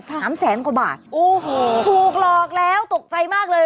สามแสนกว่าบาทโอ้โหถูกหลอกแล้วตกใจมากเลย